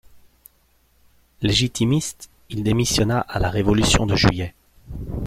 Légitimiste, il démissionna à la révolution de Juillet.